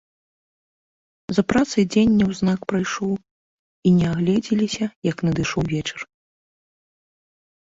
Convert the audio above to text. За працай дзень няўзнак прайшоў, і не агледзеліся, як надышоў вечар.